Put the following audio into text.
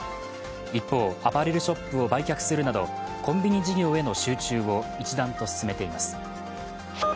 一方、アパレルショップを売却するなどコンビニ事業への集中を一段と進めています。